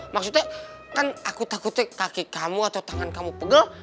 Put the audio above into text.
maksudnya kan aku takutnya kaki kamu atau tangan kamu pegel